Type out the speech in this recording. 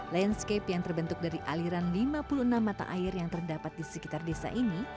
landscape yang terbentuk dari aliran lima puluh enam mata air yang terdapat di sekitar desa ini